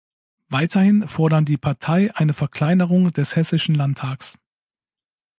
Weiterhin fordern die Partei eine Verkleinerung des hessischen Landtags.